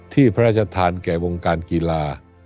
ที่พระราชธานแก่องค์การกีฬา